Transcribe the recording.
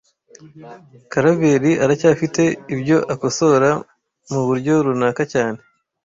Karaveri aracyafite ibyo akosora muburyo runaka cyane